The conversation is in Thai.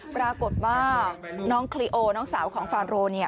ปรากฏว่าน้องคลีโอน้องสาวของฟาโร